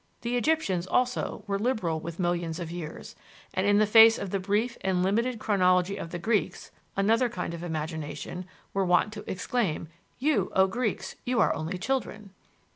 The Egyptians, also, were liberal with millions of years, and in the face of the brief and limited chronology of the Greeks (another kind of imagination) were wont to exclaim, "You, O Greeks, you are only children!"